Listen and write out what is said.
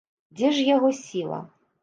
Дзе ж яго сіла?